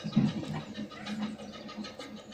Se encuentra en las Islas Marshall y Micronesia.